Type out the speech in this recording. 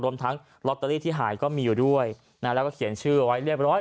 รวมทั้งลอตเตอรี่ที่หายก็มีอยู่ด้วยนะแล้วก็เขียนชื่อไว้เรียบร้อย